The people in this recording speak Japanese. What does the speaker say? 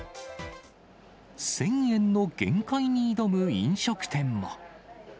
１０００円の限界に挑む飲食店も。